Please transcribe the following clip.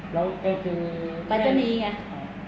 แล้วเอ้ยคือแม่นปัจจนีไง